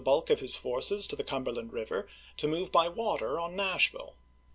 bulk of his forces to the Cumberland River, to move by water ou Nashville.